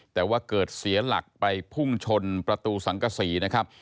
แต่ว่าเกิดเสียหลักไปพุ่งชนประตูสังกษีนะครับ